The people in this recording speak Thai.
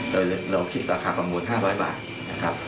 โดยเราคิดราคาประมูล๕๐๐บาทนะครับ